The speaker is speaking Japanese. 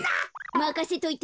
まかせといて。